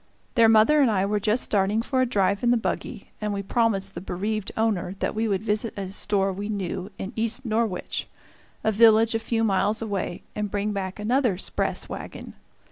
Their mother and I were just starting for a drive in the buggy, and we promised the bereaved owner that we would visit a store we knew in East Norwich, a village a few miles away, and bring back another "'spress" wagon.